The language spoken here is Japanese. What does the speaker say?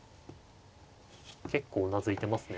結構うなずいてますね。